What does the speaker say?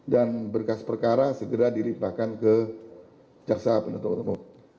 dan berkas perkara segera dilimpahkan ke caksa pendetok temu